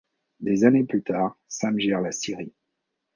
Des années plus tard, Sam gère la scierie.